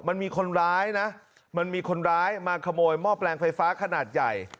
มันมีคนร้ายนะมันมีคนร้ายมาขโมยหม้อแปลงไฟฟ้าขนาดใหญ่